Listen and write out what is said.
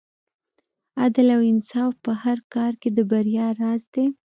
عدل او انصاف په هر کار کې د بریا راز دی.